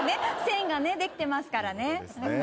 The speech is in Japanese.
線がねできてますからね。